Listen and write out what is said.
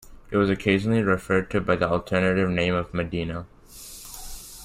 It was occasionally referred to by the alternative name of Medina.